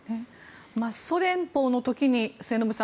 ソ連邦の時に、末延さん